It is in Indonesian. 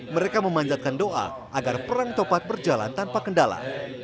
mereka memanjatkan doa agar perang topat berjalan tanpa kendala